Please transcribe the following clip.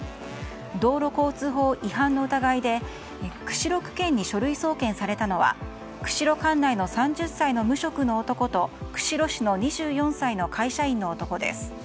道路交通法違反の疑いで釧路区検に書類送検されたのは釧路管内の３０歳の無職の男と釧路市の２４歳の会社員の男です。